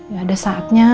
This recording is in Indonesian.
ya ada saatnya